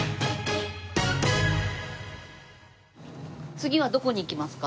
次はどこに行きますか？